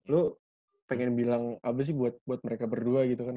lu pengen bilang apa sih buat mereka berdua gitu kan